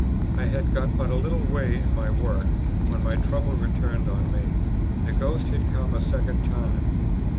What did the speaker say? I had got but a little way in my work, when my trouble returned on me. The ghost had come a second time.